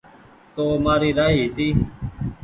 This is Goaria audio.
تو مآري رآئي هيتي